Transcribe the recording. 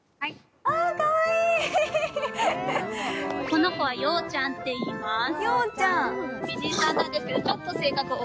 この子はようちゃんっていいます。